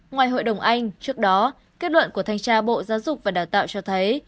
ngoài hội đồng anh trước đó kết luận của thanh tra bộ giáo dục và đào tạo cho thấy